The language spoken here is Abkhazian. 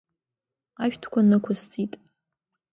Ашәҭқәа нықәысҵеит…